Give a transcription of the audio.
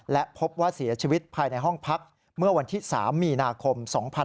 และพบว่าเสียชีวิตภายในห้องพักเมื่อวันที่๓มีนาคม๒๕๖๒